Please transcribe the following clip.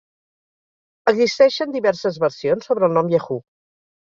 Existeixen diverses versions sobre el nom Yahoo!